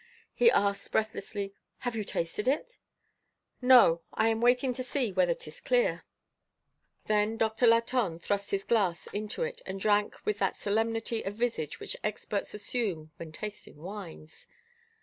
He asked, breathlessly: "Have you tasted it?" "No, I am waiting to see whether 'tis clear." Then Doctor Latonne thrust his glass into it, and drank with that solemnity of visage which experts assume when tasting wines.